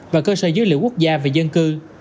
và cơ sở dữ liệu quốc gia về dân cư